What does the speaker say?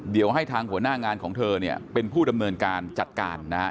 เดี๋ยวให้ทางหัวหน้างานของเธอเนี่ยเป็นผู้ดำเนินการจัดการนะฮะ